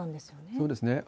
そうですね。